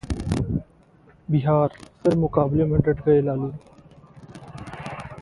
बिहार: फिर मुकाबले में डट गए लालू